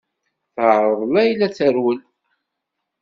Teɛreḍ Layla ad terwel.